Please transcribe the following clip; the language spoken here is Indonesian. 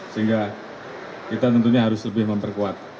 sehingga kita tentunya harus lebih memperkuat